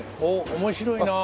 面白いなあ。